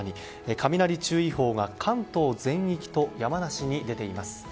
雷注意報が関東全域と山梨に出ています。